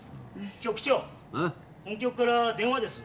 ・局長本局から電話です。